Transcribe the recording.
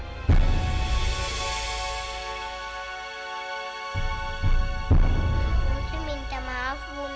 kamu itu benar benar anak bosial tahu gak